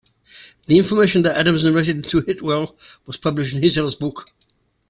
The information that Adams narrated to Hittell was published in Hittell's book.